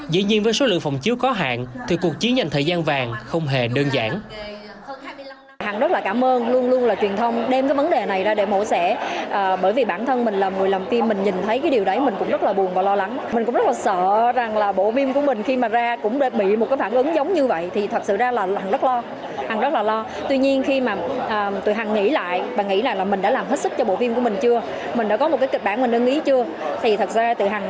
dĩ nhiên với số lượng phòng chiếu có hạn thì cuộc chiến dành thời gian vàng không hề đơn giản